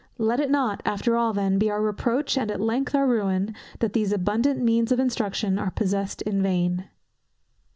Let it not, after all then, be our reproach, and at length our ruin, that these abundant means of instruction are possessed in vain.